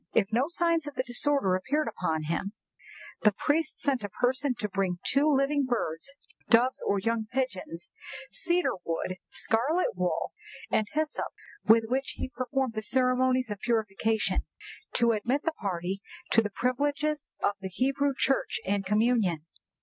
If no signs of the disorder appeared upon him, the priest sent a person to bring two living birds (doves or young pigeons), cedar wood, scarlet wool, and hyssop, with which he performed the ceremonies of purification, to admit the party to the privileges of the Hebrew Church and communion.